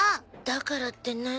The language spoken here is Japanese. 「だから」って何？